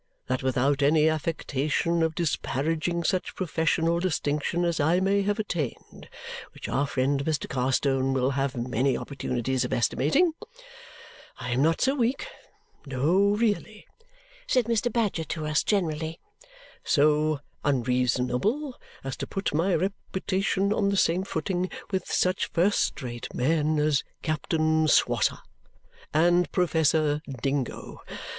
That without any affectation of disparaging such professional distinction as I may have attained (which our friend Mr. Carstone will have many opportunities of estimating), I am not so weak no, really," said Mr. Badger to us generally, "so unreasonable as to put my reputation on the same footing with such first rate men as Captain Swosser and Professor Dingo.